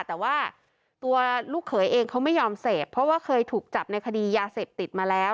แต่ว่าตัวลูกเขยเองเขาไม่ยอมเสพเพราะว่าเคยถูกจับในคดียาเสพติดมาแล้ว